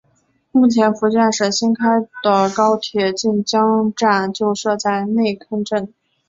目前福建省新开通的高铁晋江站就设在内坑镇。